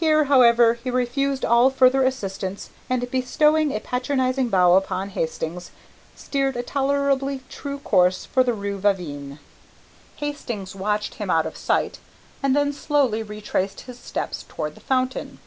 Here, however, he refused all further assistance, and bestowing a patronizing bow upon Hastings, steered a tolerably true course for the rue Vavin. Hastings watched him out of sight, and then slowly retraced his steps toward the fountain.